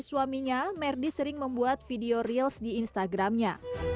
suaminya merdi sering membuat video real di instagram nya